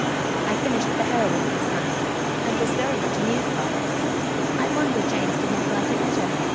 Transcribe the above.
I finished the "Heroine" last night, and was very much amused by it. I wonder James did not like it better.